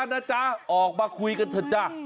นะจ๊ะออกมาคุยกันเถอะจ้ะ